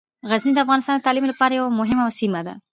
غزني د افغانستان د تعلیم لپاره یوه مهمه سیمه ده.